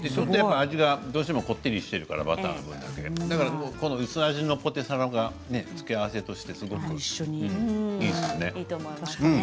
味がこってりしているからだから薄味のポテサラが付け合わせとしてすごくいい。